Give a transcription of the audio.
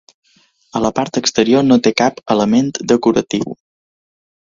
A la part exterior no té cap element decoratiu.